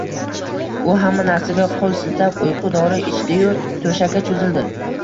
U hamma narsaga qo`l siltab uyqu dori ichdi-yu, to`shakka cho`zildi